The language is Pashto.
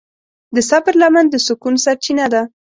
د صبر لمن د سکون سرچینه ده.